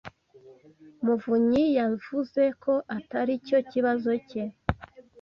muvunyi yavuze ko atari cyo kibazo cye.